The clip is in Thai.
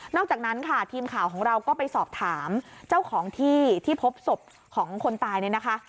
อกจากนั้นค่ะทีมข่าวของเราก็ไปสอบถามเจ้าของที่ที่พบศพของคนตายเนี่ยนะคะ